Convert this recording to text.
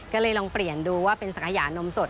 ก็เลยลองเปลี่ยนดูว่าเป็นสังขยานมสด